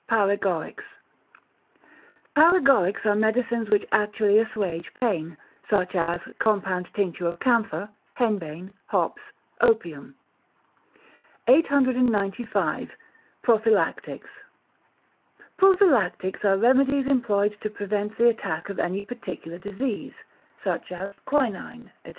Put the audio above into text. Paregorics Paregorics are medicines which actually assuage pain, such as compound tincture of camphor, henbane, hops, opium. 895. Prophylactics Prophylactics are remedies employed to prevent the attack of any particular disease, such as quinine, &c.